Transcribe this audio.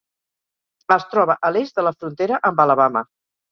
Es troba a l'est de la frontera amb Alabama.